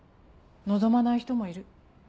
望まない人もいる。